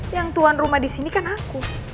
yang tuan rumah disini kan aku